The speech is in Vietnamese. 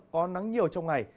có nắng nhiều trong ngày